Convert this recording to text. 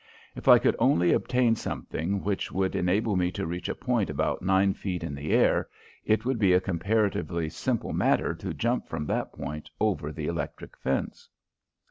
If I could only obtain something which would enable me to reach a point about nine feet in the air, it would be a comparatively simple matter to jump from that point over the electric fence.